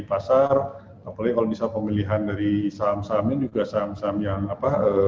pasar apalagi kalau bisa pemilihan dari saham saham yang juga saham saham yang apa